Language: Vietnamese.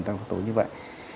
tăng sốc tố như vậy